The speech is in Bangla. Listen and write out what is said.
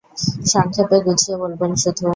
সংক্ষেপে গুছিয়ে বলবেন শুধু।